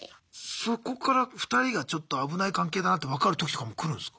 そこから２人がちょっと危ない関係だなって分かる時とかも来るんすか？